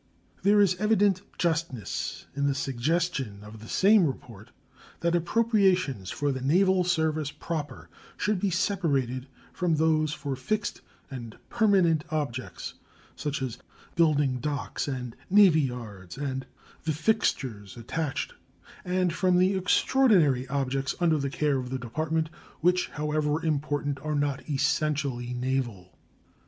There is an evident justness in the suggestion of the same report that appropriations for the naval service proper should be separated from those for fixed and permanent objects, such as building docks and navy yards and the fixtures attached, and from the extraordinary objects under the care of the Department which, however important, are not essentially naval.